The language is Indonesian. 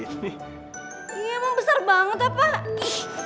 ini emang besar banget ya pak